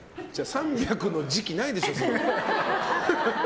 ３００の時期ないでしょ。